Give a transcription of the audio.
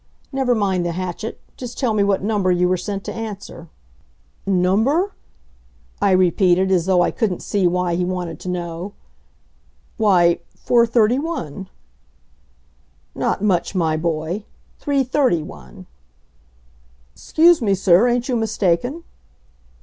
Never mind the hatchet; just tell me what number you were sent to answer." "Number?" I repeated, as though I couldn't see why he wanted to know. "Why 431." "Not much, my boy 331." "'Scuse me, sir, ain't you mistaken?"